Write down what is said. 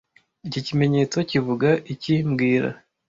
Iki kimenyetso kivuga iki mbwira